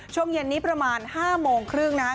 ช่วงเย็นนี้ประมาณ๕โมงครึ่งนะคะ